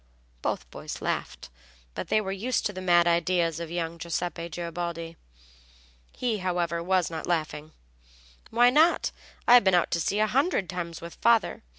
Both boys laughed; they were used to the mad ideas of young Giuseppe Garibaldi. He, however, was not laughing. "Why not? I've been out to sea a hundred times with father.